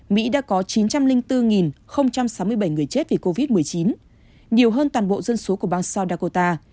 mỹ đã có chín trăm linh bốn sáu mươi bảy người chết vì covid một mươi chín nhiều hơn toàn bộ dân số của bang soudakota